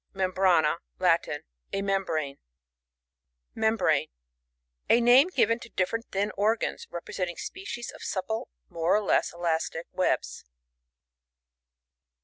Membrana. — Latin. A membrane. Membrane. — A name given to diP* ferent thin organs, representing species of supple, more or less elastic, webs.